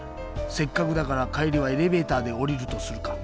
せっかくだからかえりはエレベーターでおりるとするか。